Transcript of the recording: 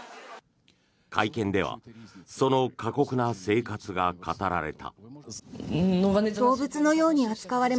会見ではその過酷な生活が語られた。